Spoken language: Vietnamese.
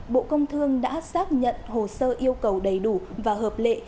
bộ công thương đã xác nhận hồ sơ yêu cầu đầy đủ và hợp lệ